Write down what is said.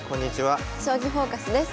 「将棋フォーカス」です。